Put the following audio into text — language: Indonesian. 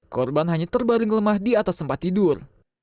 korban hanya terbaring lemah di atas tempat tidur